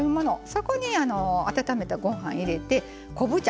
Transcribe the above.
そこに温めたご飯入れて昆布茶。